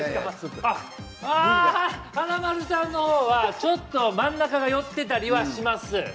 華丸さんの方はちょっと真ん中が寄っていたりはします。